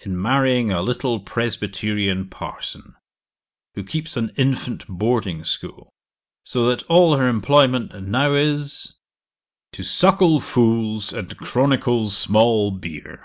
In marrying a little Presbyterian parson, who keeps an infant boarding school, so that all her employment now is, "To suckle fools, and chronicle small beer."